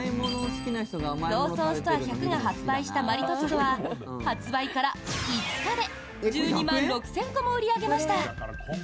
ローソンストア１００が発売したマリトッツォは発売から５日で１２万６０００個も売り上げました。